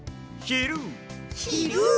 「ひる、」。